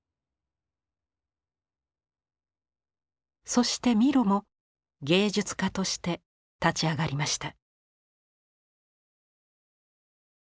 そしてミロも芸術家として立ち上がりました。